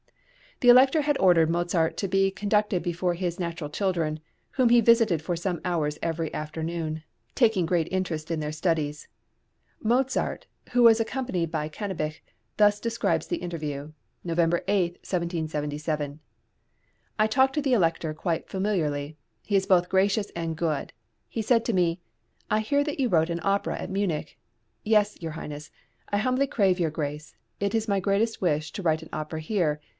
The Elector had ordered Mozart to be conducted before his natural children, whom he visited for some hours every afternoon, taking great interest in their studies. Mozart, who was accompanied by Cannabich, thus describes the interview (November 8, 1777): I talked to the Elector quite familiarly. He is both gracious and good. He said to me, "I hear that you wrote an opera at Munich." "Yes, your highness. I humbly crave your grace, it is my greatest wish to write an opera here.